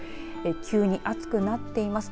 急に暑くなっています。